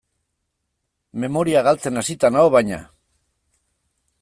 Memoria galtzen hasita nago, baina.